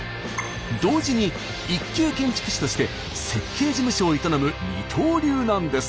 同時に一級建築士として設計事務所を営む二刀流なんです。